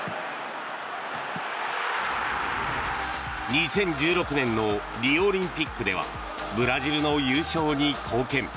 ２０１６年のリオオリンピックではブラジルの優勝に貢献。